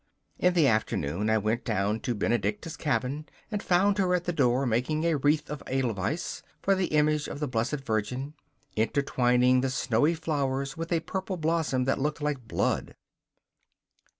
In the afternoon I went down to Benedicta's cabin and found her at the door, making a wreath of edelweiss for the image of the Blessed Virgin, intertwining the snowy flowers with a purple blossom that looked like blood.